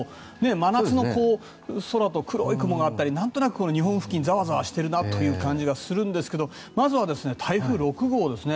真夏の空と黒い雲があったりなんとなく日本付近がザワザワしている感じがしますがまずは台風６号ですね。